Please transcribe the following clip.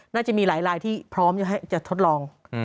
น่าจะมีหลายลายที่พร้อมจะทดลอง